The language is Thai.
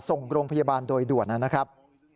ส่งโรงพยาบาลโดยด่วนนะครับ